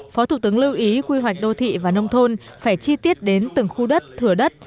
phó thủ tướng lưu ý quy hoạch đô thị và nông thôn phải chi tiết đến từng khu đất thừa đất